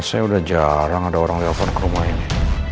rasanya sudah jarang ada orang telepon ke rumah ini